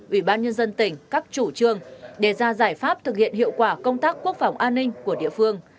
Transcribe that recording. ủy ban nhân dân tỉnh các chủ trương đề ra giải pháp thực hiện hiệu quả công tác quốc phòng an ninh của địa phương